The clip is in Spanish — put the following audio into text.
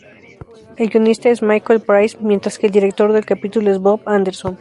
El guionista es Michael Price, mientras que el director del capítulo es Bob Anderson.